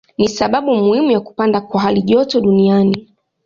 Ni sababu muhimu ya kupanda kwa halijoto duniani.